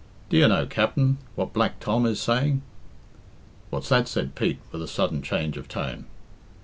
"Do you know, Capt'n, what Black Tom is saying?" "What's that?" said Pete, with a sudden change of tone.